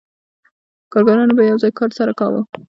کارګرانو به یو ځای کار سره کاوه